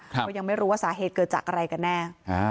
ก็ยังไม่รู้ว่าสาเหตุเกิดจากอะไรกันแน่